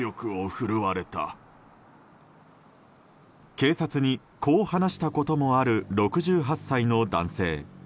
警察にこう話したこともある６８歳の男性。